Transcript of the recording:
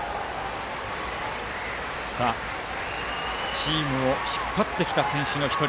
チームを引っ張ってきた選手の１人。